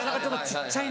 小っちゃい。